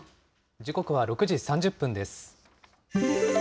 時刻は６時３０分です。